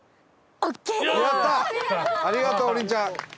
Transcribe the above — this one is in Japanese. ありがとう王林ちゃん。